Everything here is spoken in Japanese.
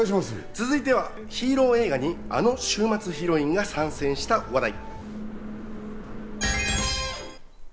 続いてはヒーロー映画にあの週末ヒロインが参戦した話題。